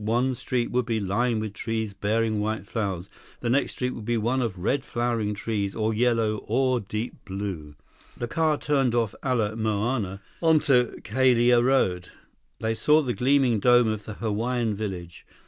One street would be lined with trees bearing white flowers. The next street would be one of red flowering trees, or yellow, or deep blue. The car turned off Ala Moana onto Kalia Road. They saw the gleaming dome of the Hawaiian Village.